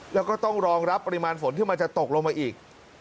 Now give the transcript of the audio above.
แล้วก็ต้องรองรับปริมาณฝนที่มันจะตกลงมาอีก